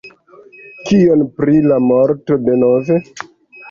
Kion pri la morto denove?